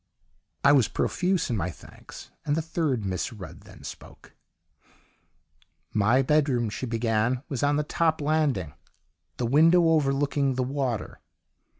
I was profuse in my thanks, and the third Miss Rudd then spoke: "My bedroom," she began, "was on the top landing the window over looking the water.